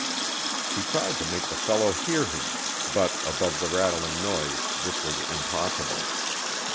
He tried to make the fellow hear him, but above the rattling noise this was impossible.